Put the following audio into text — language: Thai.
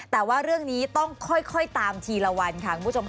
แต่ว่าเรื่องนี้ต้องค่อยตามทีละวันค่ะคุณผู้ชมค่ะ